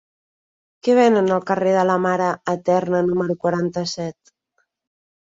Què venen al carrer de la Mare Eterna número quaranta-set?